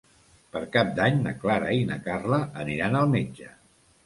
Per Cap d'Any na Clara i na Carla aniran al metge.